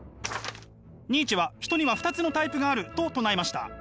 ニーチェは人には２つのタイプがあると唱えました。